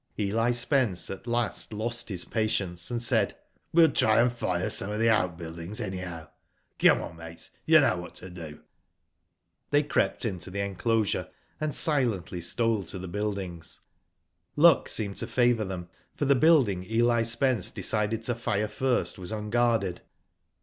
EH Spence at last lost his patience, and said: "We'll try and fire some of the outbuildings, anyhow. Come on, mates, you know what to do.'' They crept into the enclosure, and silently stole to the buildings. Luck seemed to favour them ; for the building Eli Spence decided to fire first, was unguarded.